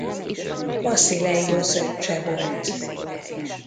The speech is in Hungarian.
Baszileiosz öccse volt.